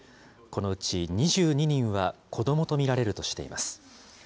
このうち２２人は子どもと見られるとしています。